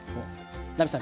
奈実さん